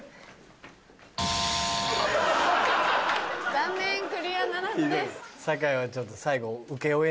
残念クリアならずです。